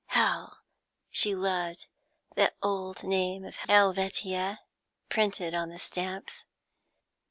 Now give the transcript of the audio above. How she loved that old name of Helvetia, printed on the stamps!